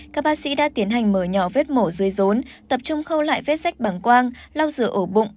các bác sĩ đã tiến hành mở nhỏ vết mổ dưới rốn tập trung khâu lại vết sách bằng quang lau rửa ổ bụng